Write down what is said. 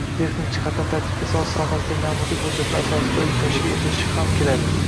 texnik jihatdan tartibga solish sohasidagi normativ hujjatlar asosida tashkil etilishi ham kiradi.